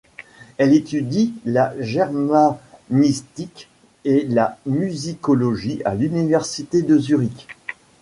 Elle étudie la germanistique et la musicologie à l'université de Zurich.